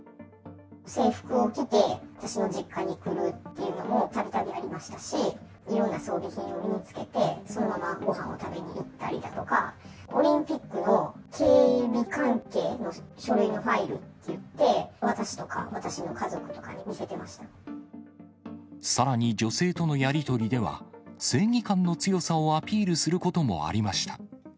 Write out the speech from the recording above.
制服を着て、私の実家に来るっていうのも、たびたびありましたし、いろいろな装備品を身につけてそのままごはんを食べに行ったりだとか、オリンピックの警備関係の書類のファイルって言って、私とか、さらに女性とのやり取りでは、正義感の強さをアピールすることもありました。